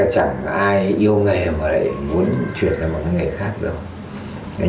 chẳng ai yêu nghề mà lại muốn chuyển sang một cái nghề khác đâu